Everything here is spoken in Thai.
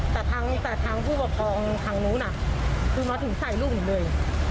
แต่ทางผู้ปกครองทางนู้นน่ะคือมาถึงใส่ลูกหนูเลย